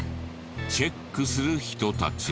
チェックする人たちが。